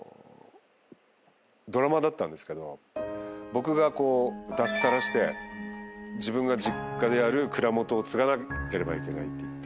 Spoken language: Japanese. ドラマだったんですけど僕が脱サラして自分が実家である蔵元を継がなければいけないっていって。